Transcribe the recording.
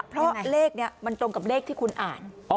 เพราะเลขนี้มันตรงกับเลขที่คุณอ่าน